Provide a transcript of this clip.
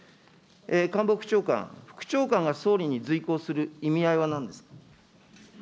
官房副長官、副長官が総理に随行する意味合いはなんですか。